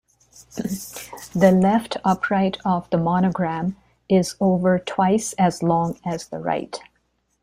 The left upright of the monogram is over twice as long as the right.